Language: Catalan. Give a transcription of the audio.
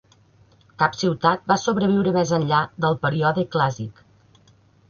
Cap ciutat va sobreviure més enllà del període clàssic.